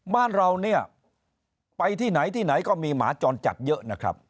บ้านเราเนี่ยไปที่ไหนที่ไหนก็มีหมาจรจัดเยอะนะครับ